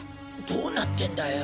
どうなってんだよ？